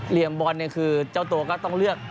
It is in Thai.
เหลี่ยมบอลเนี่ยคือเจ้าตัวก็ต้องเลือก